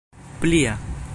plia